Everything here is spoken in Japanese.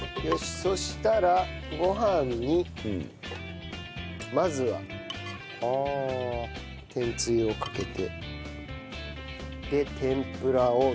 そしたらご飯にまずは天つゆをかけてで天ぷらをのせる。